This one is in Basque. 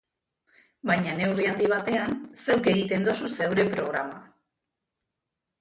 Baina neurri handi batean, zeuk egiten duzu zeure programa.